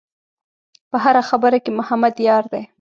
په هره خبره کې محمد یار دی.